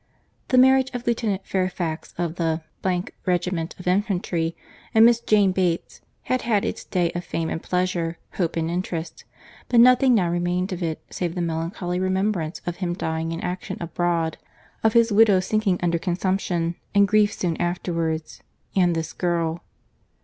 The marriage of Lieut. Fairfax of the ——regiment of infantry, and Miss Jane Bates, had had its day of fame and pleasure, hope and interest; but nothing now remained of it, save the melancholy remembrance of him dying in action abroad—of his widow sinking under consumption and grief soon afterwards—and this girl.